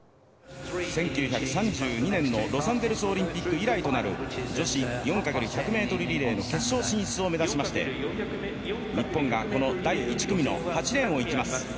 １９３２年のロサンゼルスオリンピック以来となる女子４×１００ｍリレーの決勝進出を目指しまして、日本がこの第１組の８レーンを行きます。